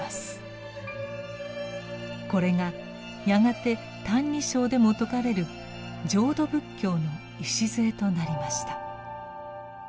これがやがて「歎異抄」でも説かれる浄土仏教の礎となりました。